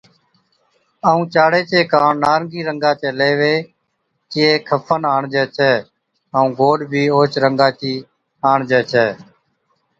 ائُون چاڙي چي ڪاڻ نارنگِي رنگا چي ليوي چَي کفن آڻجَي ڇَي، ائُون گوڏ بِي اوھچ رنگا چِي آڻجَي ڇَي